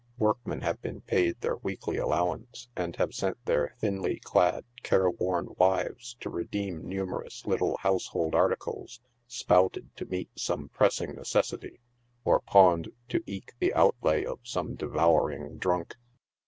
Workmen have been paid their weekly allowance, and have sent their thinly clad, care worn wives to re deem numerous little household articles " spouted" to meet some pressing necessity, or pawned to eke the outlay of some devouring drunk.